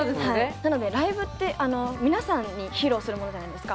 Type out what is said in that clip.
なのでライブって皆さんに披露するものじゃないですか。